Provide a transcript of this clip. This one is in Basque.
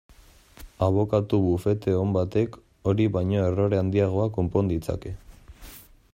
Abokatu bufete on batek hori baino errore handiagoak konpon ditzake.